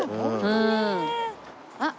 あっ